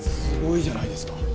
すごいじゃないですか。